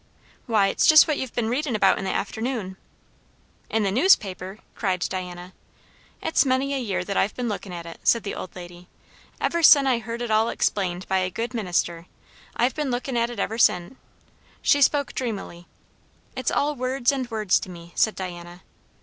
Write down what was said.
"Why, it's just what you've been readin' about all the afternoon." "In the newspaper!" cried Diana. "It's many a year that I've been lookin' at it," said the old lady; "ever sen I heard it all explained by a good minister. I've been lookin' at it ever sen." She spoke dreamily. "It's all words and words to me," said Diana.